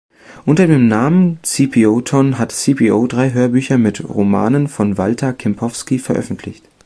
Unter dem Namen cpo-ton hat cpo drei Hörbücher mit Romanen von Walter Kempowski veröffentlicht.